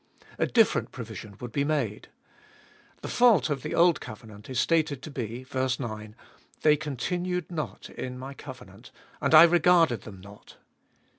A different provision would be made. The fault of the old covenant is stated to be (ver. 9) : They continued not in My covenant, and I regarded them not.